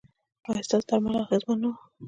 ایا ستاسو درمل اغیزمن نه وو؟